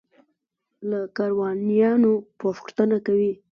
له کاروانیانو پوښتنه کوي.